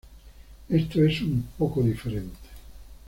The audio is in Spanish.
Esto es un poco diferente.